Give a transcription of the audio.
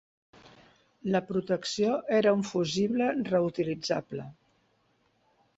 La protecció era un fusible reutilitzable.